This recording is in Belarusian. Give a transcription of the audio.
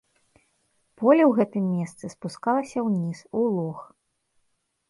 Поле ў гэтым месцы спускалася ўніз, у лог.